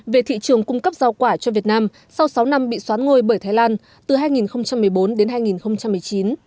về thị trường cung cấp giao quả cho việt nam sau sáu năm bị xoán ngôi bởi thái lan từ hai nghìn một mươi bốn đến hai nghìn một mươi chín